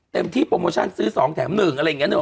เต็มที่โปรโมชั่นซื้อ๒แถม๑อะไรอย่างนี้เนอ